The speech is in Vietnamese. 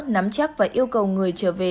nắm chắc và yêu cầu người trở về